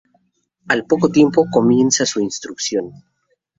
Al poco tiempo comienza su instrucción.